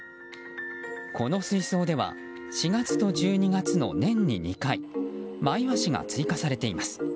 この水槽では４月と１２月の年に２回マイワシが追加されています。